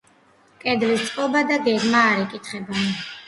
კედლის წყობა და გეგმა არ იკითხება.